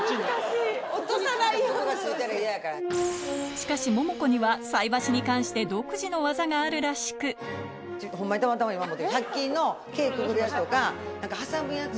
しかしモモコには菜箸に関して独自の技があるらしくホンマにたまたま今持ってる１００均の毛くくるやつとかなんか挟むやつを。